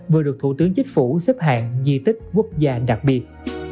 vừa được thủ tướng chính phủ xếp hạng di tích quốc gia đặc biệt